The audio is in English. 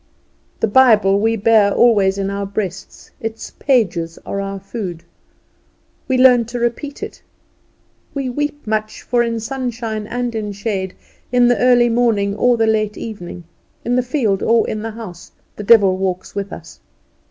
The Bible we bear always in our breast; its pages are our food; we learn to repeat it; we weep much, for in sunshine and in shade, in the early morning or the late evening, in the field or in the house, the devil walks with us.